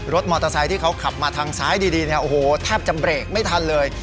รถมอเตอร์ไซค์ที่เขาขับมาทางซ้ายดีเนี่ยโอ้โหแทบจะเบรกไม่ทันเลย